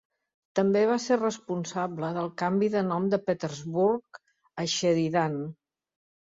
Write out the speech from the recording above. També va ser responsable del canvi de nom de Petersburg a Sheridan.